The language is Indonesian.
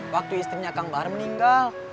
waktu istrinya kang bahar meninggal